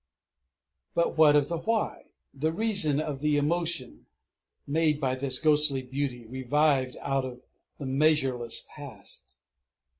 But what of the why, the reason of the emotion made by this ghostly beauty revived out of the measureless past?